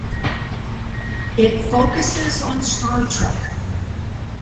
It focuses on Star Trek.